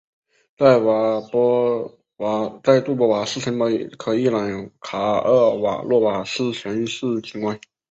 在杜波瓦茨城堡可一览卡尔洛瓦茨全市景观。